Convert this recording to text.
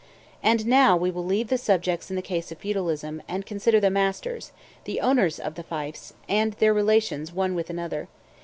And now we will leave the subjects in the case of feudalism, and consider the masters, the owners of fiefs, and their relations one with another.